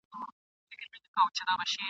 مېنه یوه ده له هري تر بدخشان وطنه !.